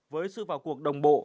với sự vào cuộc đồng bộ